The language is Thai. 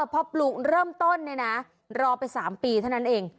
พอปลูกเริ่มต้นเนี่ยนะรอไป๓ปีเท่านั้นเอง